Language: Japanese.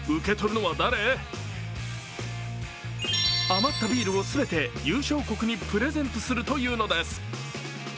余ったビールを全て優勝国にプレゼントするというのです。